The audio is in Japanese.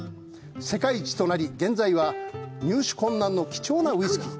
世界一となり現在は入手困難の貴重なウイスキー。